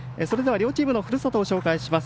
両チームのふるさとを紹介します。